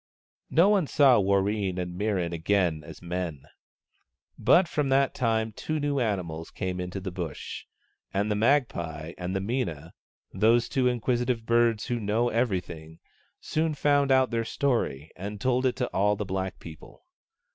No one saw Warreen and Mirran again as men. 158 MIRRAN AND WARREEN But from that time two new animals came into the Bush, and the Magpie and the Minah, those two inquisitive birds who know everything, soon found out their story and told it to all the black people.